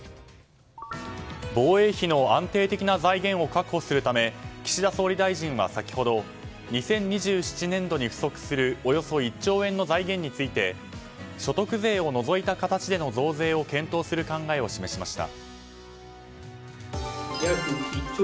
防衛費の安定的な財源を確保するため岸田総理大臣は先ほど２０２７年度に不足するおよそ１兆円の財源について所得税を除いた形での増税を検討する考えを示しました。